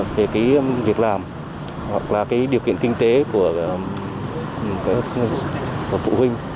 về cái việc làm hoặc là cái điều kiện kinh tế của phụ huynh